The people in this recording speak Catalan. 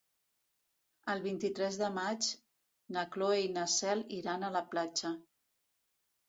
El vint-i-tres de maig na Cloè i na Cel iran a la platja.